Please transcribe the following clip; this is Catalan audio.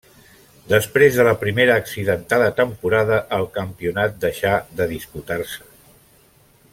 Després de la primera accidentada temporada el campionat deixà de disputar-se.